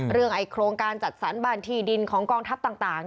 โครงการจัดสรรบ้านที่ดินของกองทัพต่าง